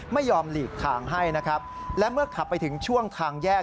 ไม่ยอมหลีกทางให้นะครับและเมื่อขับไปถึงช่วงทางแยก